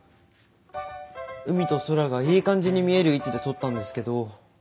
海と空がいい感じに見える位置で撮ったんですけど。